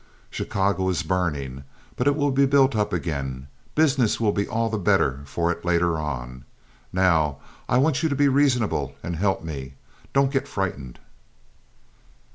"Chicago is burning, but it will be built up again. Business will be all the better for it later on. Now, I want you to be reasonable and help me. Don't get frightened."